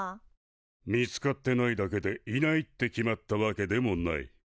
見つかってないだけでいないって決まったわけでもない。